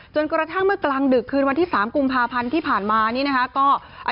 กระทั่งเมื่อกลางดึกคืนวันที่๓กุมภาพันธ์ที่ผ่านมานี่นะคะ